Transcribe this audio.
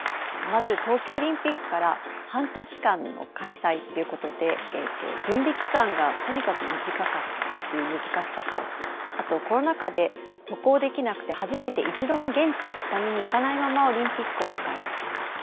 まず東京オリンピックから半年間の開催っていうことで準備期間がとにかく短かったっていう難しさとあとコロナ禍で渡航できなくて初めて一度も現地に下見に行かないままオリンピックを迎えました。